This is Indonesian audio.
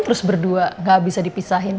terus berdua gak bisa dipisahin